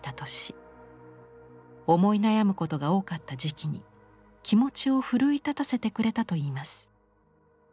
思い悩むことが多かった時期に気持ちを奮い立たせてくれたといいます。